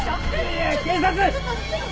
いや警察！